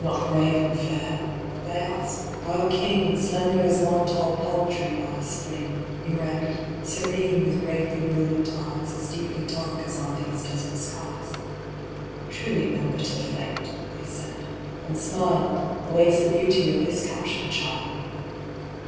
D 17 Zira : In " Is he not brave and fair? " they asked, " our King, Captivity Slender as one tall palm tree by a spring; Erect, serene, with gravely brilliant eyes, As deeply dark as are these desert skies. " Truly no bitter fate," they said, and smiled, "Awaits the beauty of this captured child!"